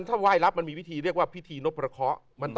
ถ้าไหว้รับมันมีวิธีเรียกว่าพิธีนพประเคาะ